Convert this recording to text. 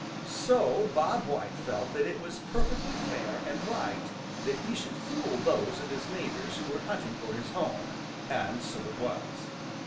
So Bob White felt that it was perfectly fair and right that he should fool those of his neighbors who were hunting for his home, and so it was.